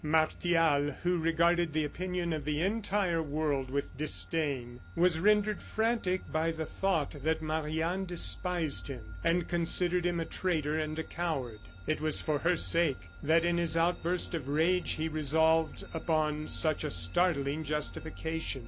Martial, who regarded the opinion of the entire world with disdain, was rendered frantic by the thought that Marie Anne despised him, and considered him a traitor and a coward. It was for her sake, that in his outburst of rage, he resolved upon such a startling justification.